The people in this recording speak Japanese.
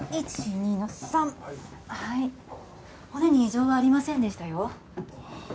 １２の３はい骨に異常はありませんでしたよ